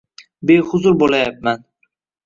Behuzur bo’layapman.